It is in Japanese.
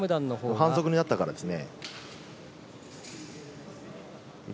反則になったからですね。